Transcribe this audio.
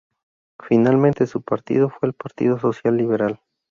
Finalmente su partido fue el Partido Social Liberal.